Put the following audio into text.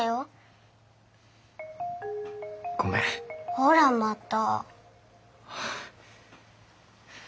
ほらまた。